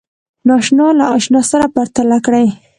ناآشنا له آشنا سره پرتله کړئ